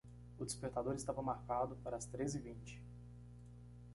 O despertador estava marcado para as três e vinte.